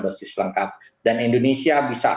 dosis lengkap dan indonesia bisa